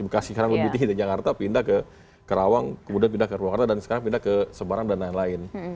bekasi sekarang lebih tinggi dari jakarta pindah ke karawang kemudian pindah ke purwakarta dan sekarang pindah ke semarang dan lain lain